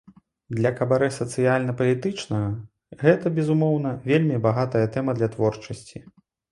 Для кабарэ сацыяльна-палітычнага гэта, безумоўна, вельмі багатая тэма для творчасці.